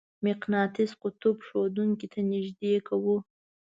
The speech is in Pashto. مقناطیس قطب ښودونکې ته نژدې کوو.